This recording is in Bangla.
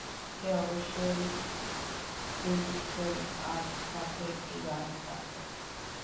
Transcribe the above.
সে অবশ্যই হুইসেল আর সাথে একটি গান প্রাপ্য!